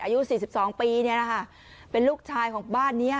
อายุ๔๒ปีเนี่ยนะคะเป็นลูกชายของบ้านนี้